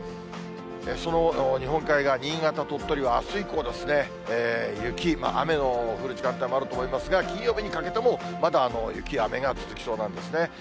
その日本海側、新潟、鳥取はあす以降ですね、雪、雨の降る時間帯もあると思いますが、金曜日にかけても、まだ雪や雨が続きそうなんですね。